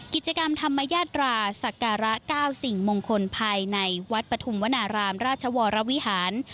กิจกรรมธรรมญาตราศักระ๙สิ่งมงคลภายในวัดปฐุมวนารามราชวรวิหาร